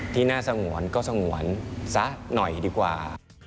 ที่หน้าสงวนก็สงวนซะหน่อยดีกว่า